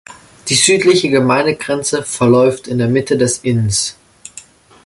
Die südliche Gemeindegrenze verläuft in der Mitte des Inns.